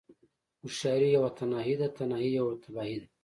هوښياری يوه تنهايی ده، تنهايی يوه تباهی ده